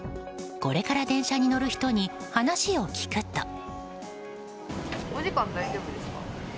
これから電車に乗る人に話を聞くと。